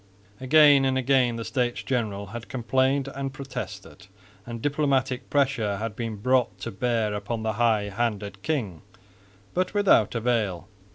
Again and again the States General had complained and protested; and diplomatic pressure had been brought to bear upon the high handed king, but without avail.